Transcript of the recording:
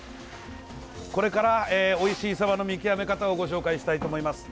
これからおいしいサバの見極め方をご紹介したいと思います。